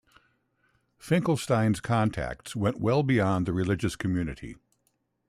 Finkelstein's contacts went well beyond the religious community.